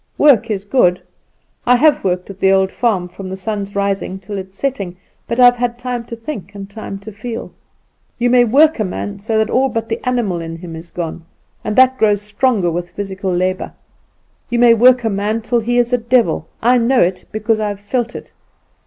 Work is good. I have worked at the old farm from the sun's rising till its setting, but I have had time to think, and time to feel. You may work a man so that all but the animal in him is gone; and that grows stronger with physical labour. "You may work a man till he is a devil. I know it, because I have felt it.